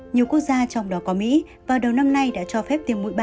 nhiều quốc gia trong đó có mỹ vào đầu năm nay đã cho phép tiêm mũi ba